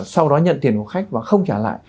sau đó nhận tiền của khách và không trả lại